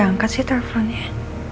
gak diangkat sih teleponnya